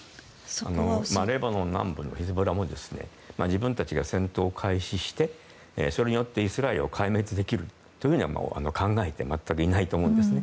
レバノン南部のヒズボラも自分たちが戦闘を開始してそれによってイスラエルを壊滅できると考えては全くいないと思うんですね。